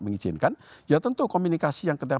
mengizinkan ya tentu komunikasi yang kedua